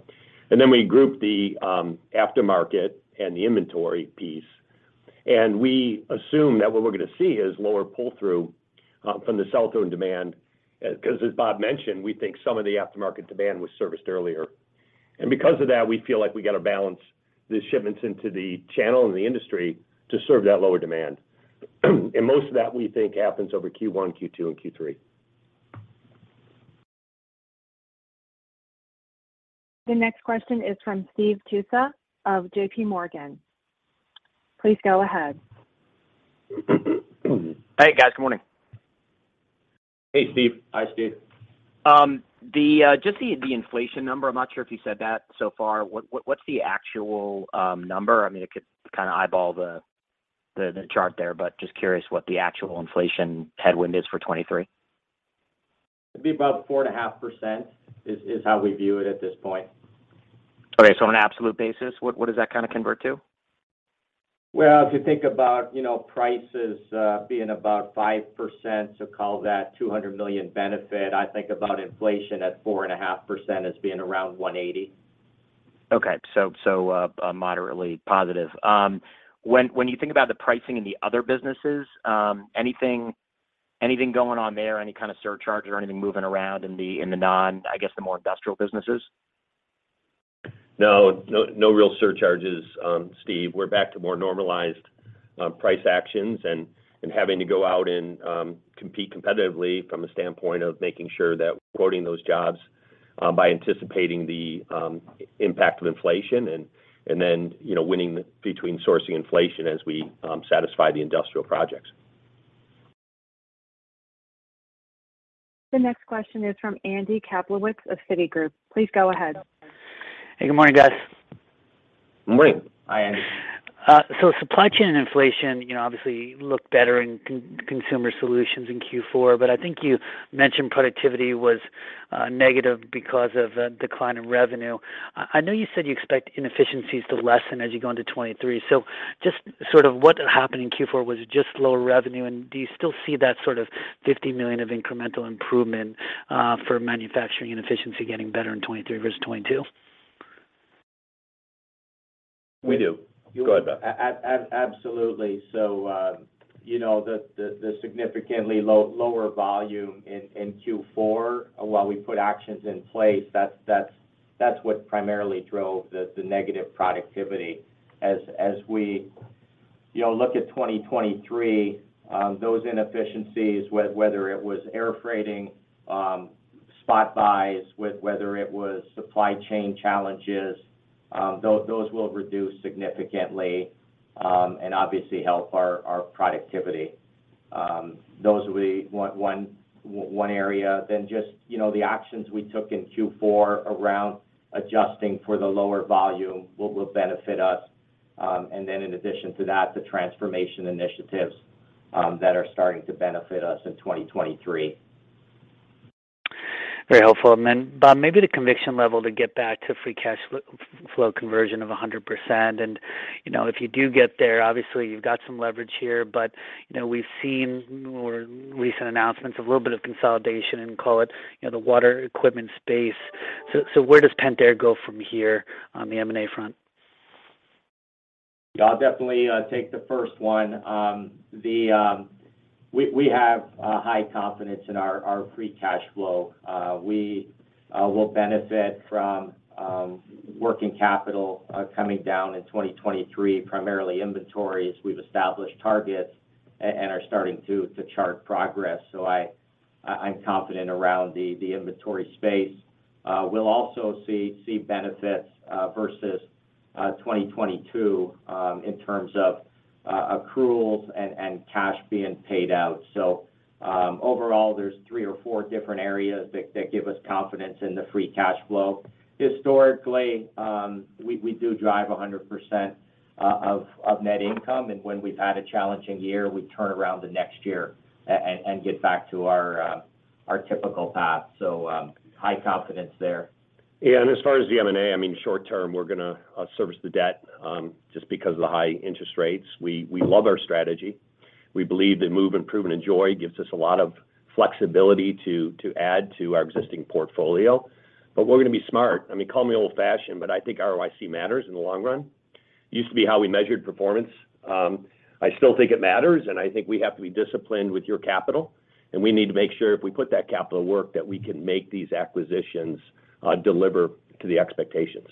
Then we group the aftermarket and the inventory piece, and we assume that what we're gonna see is lower pull-through from the sell-through and demand. 'Cause as Bob mentioned, we think some of the aftermarket demand was serviced earlier. Because of that, we feel like we gotta balance the shipments into the channel and the industry to serve that lower demand. Most of that, we think happens over Q1, Q2, and Q3. The next question is from Steve Tusa of J.P. Morgan. Please go ahead. Hey, guys. Good morning. Hey, Steve. Hi, Steve. Just the inflation number, I'm not sure if you said that so far. What's the actual number? I mean, I could kinda eyeball the chart there, but just curious what the actual inflation headwind is for 23. It'd be about 4.5% is how we view it at this point. On an absolute basis, what does that kinda convert to? Well, if you think about, you know, prices, being about 5%, so call that $200 million benefit. I think about inflation at 4.5% as being around $180 million. Okay. Moderately positive. When you think about the pricing in the other businesses, anything going on there? Any kind of surcharge or anything moving around in the non, I guess, the more Industrial Businesses? No, no real surcharges, Steve. We're back to more normalized price actions and having to go out and compete competitively from a standpoint of making sure that we're quoting those jobs by anticipating the impact of inflation and then, you know, winning between sourcing inflation as we satisfy the Industrial Projects. The next question is from Andy Kaplowitz of Citigroup. Please go ahead. Hey, good morning, guys. Morning. Hi, Andy. Supply Chain and Inflation, you know, obviously looked better in Consumer Solutions in Q4, but I think you mentioned productivity was negative because of a decline in revenue. I know you said you expect inefficiencies to lessen as you go into 2023, so just sort of what happened in Q4 was just lower revenue, and do you still see that sort of $50 million of incremental improvement for manufacturing and efficiency getting better in 2023 versus 2022? We do. Go ahead, Bob. Absolutely. You know, the significantly lower volume in Q4 while we put actions in place, that's what primarily drove the negative productivity. As we, you know, look at 2023, those inefficiencies, whether it was air freighting, spot buys, whether it was supply chain challenges, those will reduce significantly and obviously help our productivity. Those will be one area. Just, you know, the actions we took in Q4 around adjusting for the lower volume will benefit us. In addition to that, the transformation initiatives that are starting to benefit us in 2023. Very helpful. Bob, maybe the conviction level to get back to Free Cash Flow conversion of 100%, and, you know, if you do get there, obviously you've got some leverage here. You know, we've seen more recent announcements, a little bit of consolidation in, call it, you know, the water equipment space. Where does Pentair go from here on the M&A front? Yeah, I'll definitely take the first one. We have high confidence in our Free Cash Flow. We will benefit from working capital coming down in 2023, primarily inventories. We've established targets and are starting to chart progress. I'm confident around the inventory space. We'll also see benefits versus 2022 in terms of accruals and cash being paid out. Overall, there's three or four different areas that give us confidence in the Free Cash Flow. Historically, we do drive 100% of net income, and when we've had a challenging year, we turn around the next year and get back to our typical path. High confidence there. As far as the M&A, I mean, short term, we're gonna service the debt just because of the high interest rates. We love our strategy. We believe that move, improve, and enjoy gives us a lot of flexibility to add to our existing portfolio. We're gonna be smart. I mean, call me old-fashioned, but I think ROIC matters in the long run. Used to be how we measured performance. I still think it matters, and I think we have to be disciplined with your capital, and we need to make sure if we put that capital to work, that we can make these acquisitions deliver to the expectations.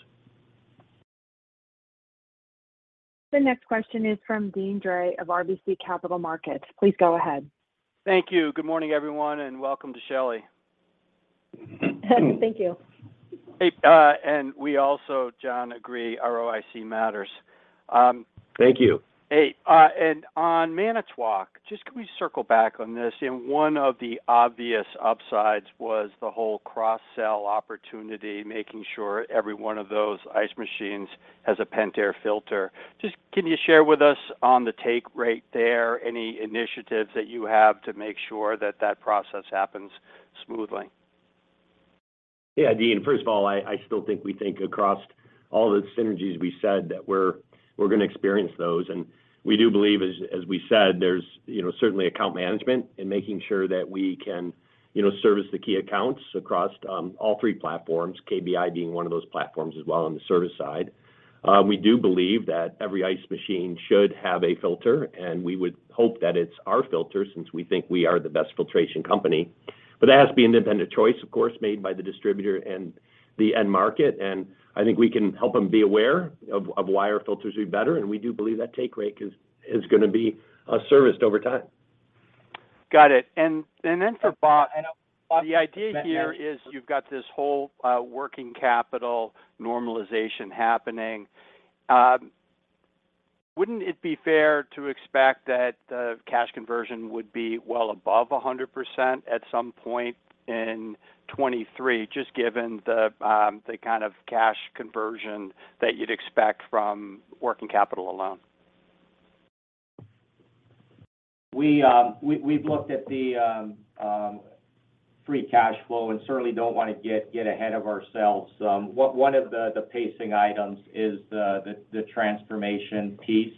The next question is from Deane Dray of RBC Capital Markets. Please go ahead. Thank you. Good morning, everyone, and welcome to Shelly. Thank you. Hey, we also, John, agree, ROIC matters. Thank you. Hey, on Manitowoc, just can we circle back on this? You know, one of the obvious upsides was the whole cross-sell opportunity, making sure every one of those ice machines has a Pentair filter. Just can you share with us on the take rate there any initiatives that you have to make sure that that process happens smoothly? Deane. First of all, I still think we think across all the synergies we said that we're gonna experience those. We do believe, as we said, there's, you know, certainly account management and making sure that we can, you know, service the key accounts across all three platforms, KBI being one of those platforms as well on the service side. We do believe that every ice machine should have a filter, and we would hope that it's our filter since we think we are the best filtration company. That has to be an independent choice, of course, made by the distributor and the end market, and I think we can help them be aware of why our filters are better, and we do believe that take rate is gonna be serviced over time. Got it. Then for Bob. I know, Bob- The idea here is you've got this whole, working capital normalization happening. Wouldn't it be fair to expect that the cash conversion would be well above 100% at some point in 2023, just given the kind of cash conversion that you'd expect from working capital alone? We've looked at the Free Cash Flow and certainly don't wanna get ahead of ourselves. One of the pacing items is the transformation piece.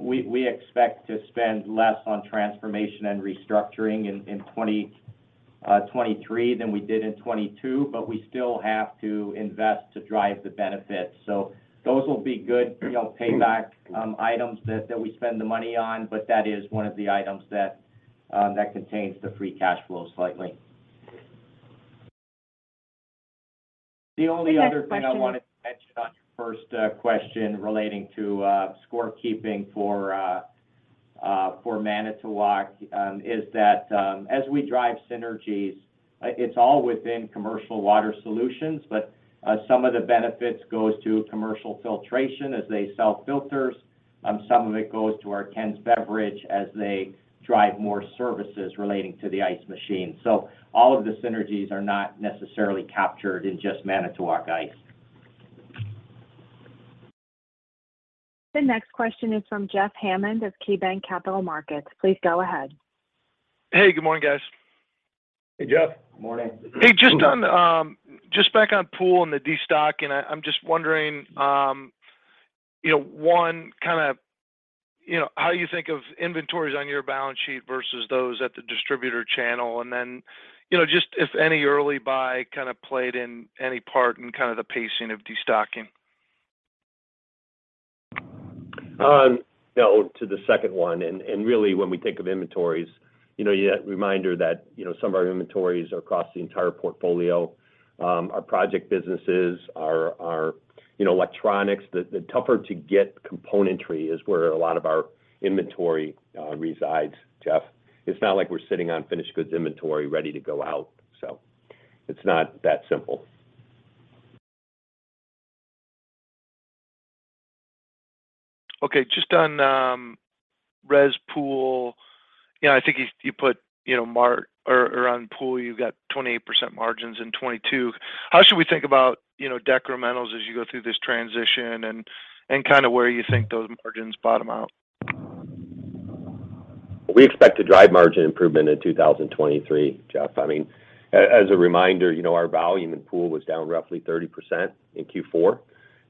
We expect to spend less on transformation and restructuring in 2023 than we did in 2022, but we still have to invest to drive the benefits. Those will be good, you know, payback items that we spend the money on, but that is one of the items that. That contains the Free Cash Flow slightly. The only other thing I wanted to mention on your first question relating to score keeping for Manitowoc is that as we drive synergies, it's all within commercial water solutions, but some of the benefits goes to commercial filtration as they sell filters, some of it goes to our Ken's Beverage as they drive more services relating to the ice machine. All of the synergies are not necessarily captured in just Manitowoc Ice. The next question is from Jeff Hammond of KeyBanc Capital Markets. Please go ahead. Hey, good morning, guys. Hey, Jeff. Good morning. Hey, just on, just back on Pool and the destocking. I'm just wondering, you know, one, kinda, you know, how you think of inventories on your balance sheet versus those at the distributor channel. Then, you know, just if any early buy kind of played in any part in kind of the pacing of destocking. You know, to the second one. Really when we think of inventories, you know, you had a reminder that, you know, some of our inventories are across the entire portfolio. Our project businesses, our, you know, electronics, the tougher to get componentry is where a lot of our inventory resides, Jeff. It's not like we're sitting on finished goods inventory ready to go out. It's not that simple. Okay. Just on, res pool, you know, I think you put, you know, on Pool, you've got 28% margins in 2022. How should we think about, you know, decrementals as you go through this transition and kinda where you think those margins bottom out? We expect to drive margin improvement in 2023, Jeff. I mean, as a reminder, you know, our volume in Pool was down roughly 30% in Q4,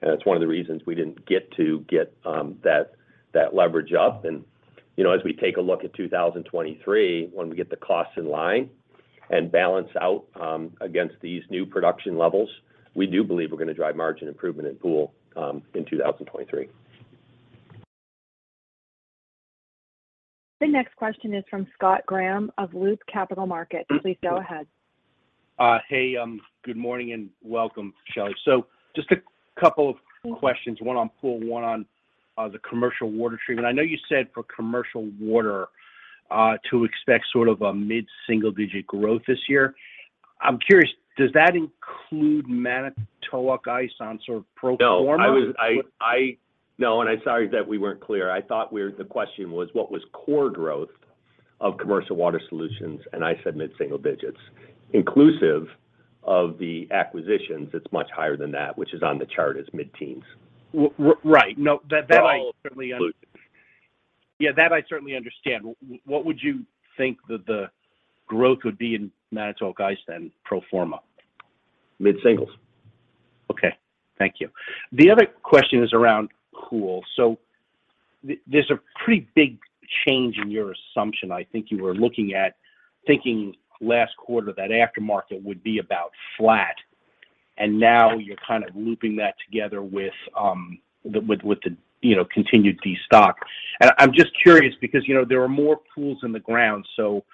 and it's one of the reasons we didn't get to get that leverage up. You know, as we take a look at 2023, when we get the costs in line and balance out against these new production levels, we do believe we're gonna drive margin improvement in Pool in 2023. The next question is from Scott Graham of Loop Capital Markets. Please go ahead. Hey, good morning and welcome, Shelly. Just a couple of questions, one on Pool, one on the commercial water treatment. I know you said for commercial water to expect sort of a mid-single-digit growth this year. I'm curious, does that include Manitowoc Ice on sort of pro forma? No. I'm sorry that we weren't clear. The question was what was core growth of commercial water solutions, and I said mid-single digits. Inclusive of the acquisitions, it's much higher than that, which is on the chart as mid-teens. Right. No, that I certainly. All inclusive. Yeah. That I certainly understand. What would you think that the growth would be in Manitowoc Ice then pro forma? Mid-singles. Thank you. The other question is around Pool. There's a pretty big change in your assumption. I think you were looking at thinking last quarter that aftermarket would be about flat, and now you're kind of looping that together with the, you know, continued destock. I'm just curious because, you know, there are more Pools in the ground, so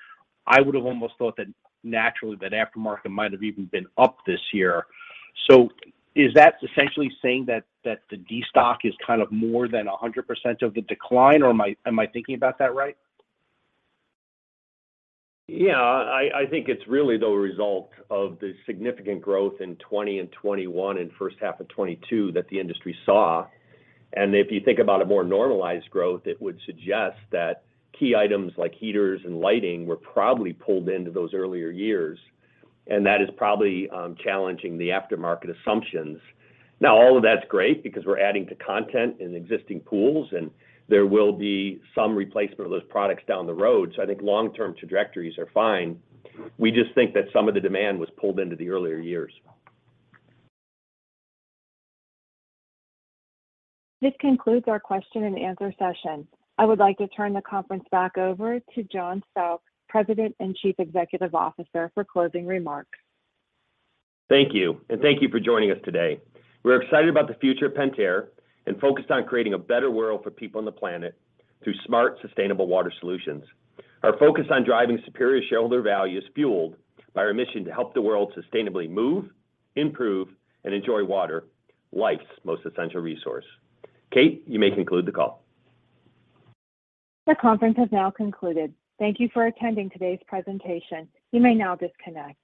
I would have almost thought that naturally that aftermarket might have even been up this year. Is that essentially saying that the destock is kind of more than 100% of the decline, or am I thinking about that right? Yeah. I think it's really the result of the significant growth in 2020 and 2021 and first half of 2022 that the industry saw. If you think about a more normalized growth, it would suggest that key items like heaters and lighting were probably pulled into those earlier years, and that is probably challenging the aftermarket assumptions. Now, all of that's great because we're adding to content in existing pools, and there will be some replacement of those products down the road. I think long-term trajectories are fine. We just think that some of the demand was pulled into the earlier years. This concludes our question and answer session. I would like to turn the conference back over to John Stauch, President and Chief Executive Officer, for closing remarks. Thank you. Thank you for joining us today. We're excited about the future of Pentair and focused on creating a better world for people on the planet through Smart, Sustainable Water Solutions. Our focus on driving superior shareholder value is fueled by our mission to help the world sustainably move, improve, and enjoy water, life's most essential resource. Kate, you may conclude the call. The conference has now concluded. Thank you for attending today's presentation. You may now disconnect.